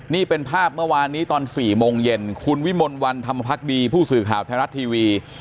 นี่เป็นภาพเมื่อวานนี้ตอน๔โมงเย็นคุณวิมลวันธรรมพักดีผู้สื่อข่าวไทยรัฐทีวี